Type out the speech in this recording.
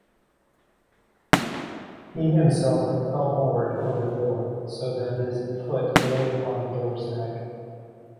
He himself fell forward over Thor, so that his foot lay upon Thor's neck.